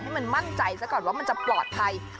ให้มันมั่นใจซะก่อนว่ามันจะปลอดภัย